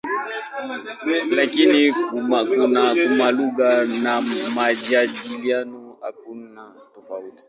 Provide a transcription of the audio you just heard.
Lakini kama lugha ya majadiliano hakuna tofauti.